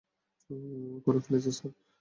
ও করে ফেলেছে স্যার।